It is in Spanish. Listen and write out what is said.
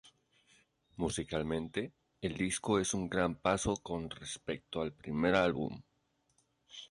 Musicalmente el disco es un gran paso con respecto al primer álbum.